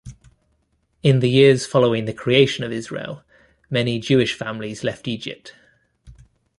In the years following the creation of Israel, many Jewish families left Egypt.